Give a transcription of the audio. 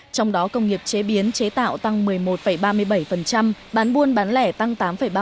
trong đó công nghiệp chế biến chế tạo tăng một mươi một ba mươi bảy bán buôn bán lẻ tăng tám ba